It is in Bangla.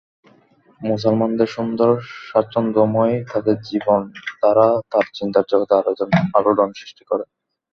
মুসলমানদের সুন্দর স্বাচ্ছন্দময় তাদের জীবন-ধারা তার চিন্তার জগতে আলোড়ন সৃষ্টি করে।